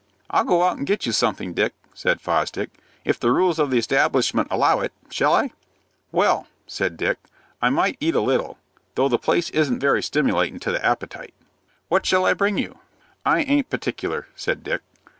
"I'll go out and get you something, Dick," said Fosdick, "if the rules of the establishment allow it. Shall I?" "Well," said Dick, "I think I might eat a little, though the place isn't very stimulatin' to the appetite." "What shall I bring you?" "I aint particular," said Dick.